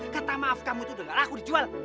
kata maaf kamu itu udah gak laku dijual